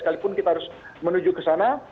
sekalipun kita harus menuju ke sana